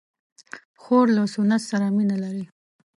خور له سنت سره مینه لري.